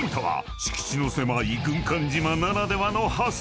敷地の狭い島ならではの発想。